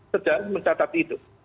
sejalan mencatat itu